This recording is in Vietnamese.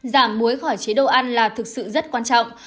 giảm muối khỏi chế độ ăn là thực sự rất quan trọng